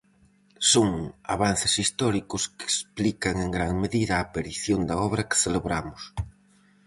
Son avances históricos que explican en gran medida a aparición da obra que celebramos.